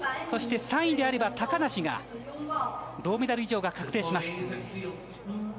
そして３位であれば高梨が銅メダル以上が確定します。